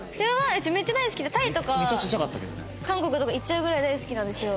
うちめっちゃ大好きでタイとか韓国とか行っちゃうぐらい大好きなんですよ。